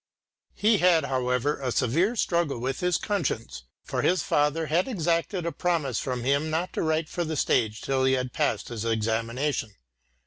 He had, however, a severe struggle with his conscience, for his father had exacted a promise from him not to write for the stage till he had passed his examination.